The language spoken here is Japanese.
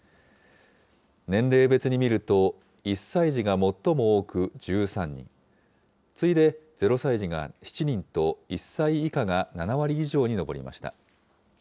年齢別に見ると、１歳児が最も多く１３人、次いで０歳児が７人と、１歳以下が７割以上に上りました。